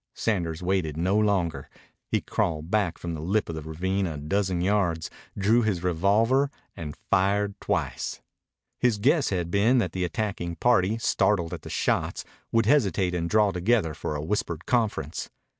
Sanders waited no longer. He crawled back from the lip of the ravine a dozen yards, drew his revolver, and fired twice. His guess had been that the attacking party, startled at the shots, would hesitate and draw together for a whispered conference.